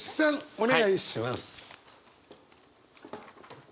お願いします。